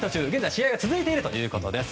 試合が続いているということです。